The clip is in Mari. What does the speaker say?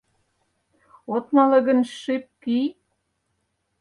— От мале гын, шып кий.